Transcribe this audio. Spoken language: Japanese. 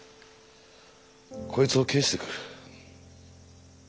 こいつを返してくる。